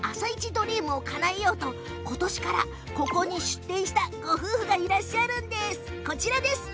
ドリームをかなえようと今年からここに出店したご夫婦がいらっしゃいます。